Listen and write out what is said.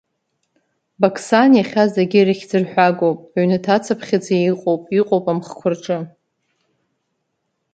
Бақсан иахьа зегьы ирыхьӡырҳәагоуп, ҩнаҭацыԥхьаӡа иҟоуп, иҟоуп амхқәа рҿы!